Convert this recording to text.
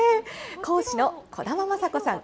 講師の小玉眞砂子さん。